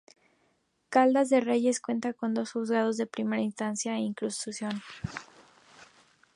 Caldas de Reyes cuenta con dos Juzgados de Primera Instancia e Instrucción.